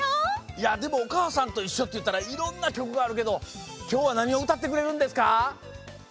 いやでも「おかあさんといっしょ」っていったらいろんなきょくがあるけどきょうはなにをうたってくれるんですか？